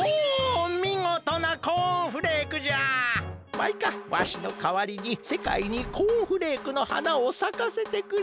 マイカわしのかわりにせかいにコーンフレークのはなをさかせてくれ！